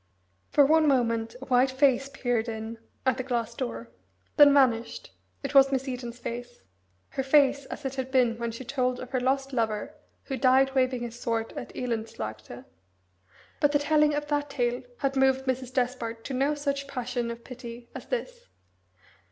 For one moment a white face peered in at the glass door then vanished; it was Miss Eden's face her face as it had been when she told of her lost lover who died waving his sword at Elendslaagte! But the telling of that tale had moved Mrs. Despard to no such passion of pity as this.